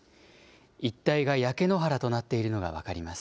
一帯が焼け野原となっているのが分かります。